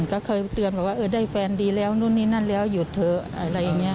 ก็เคยเตือนบอกว่าเออได้แฟนดีแล้วนู่นนี่นั่นแล้วหยุดเถอะอะไรอย่างนี้